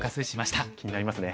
おっ気になりますね。